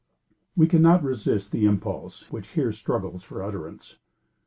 We cannot resist the impulse which here struggles for utterance.